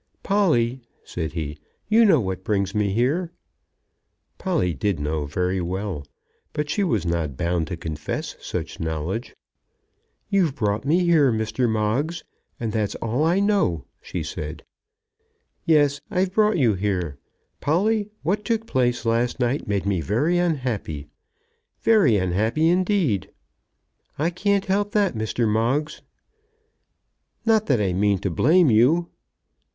"Polly," said he, "you know what brings me here." Polly did know very well, but she was not bound to confess such knowledge. "You've brought me here, Mr. Moggs, and that's all I know," she said. "Yes; I've brought you here. Polly, what took place last night made me very unhappy, very unhappy indeed." "I can't help that, Mr. Moggs." "Not that I mean to blame you."